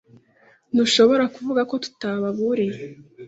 Ntushobora kuvuga ko tutababuriye.